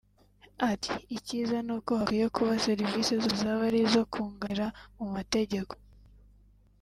Ati “ikiza ni uko hakwiye kuba Serivisi zose zaba ari izo kunganira mu mategeko